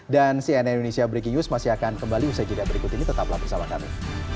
dan cnn indonesia breaking news masih akan kembali usai jadinya berikut ini tetaplah bersama kami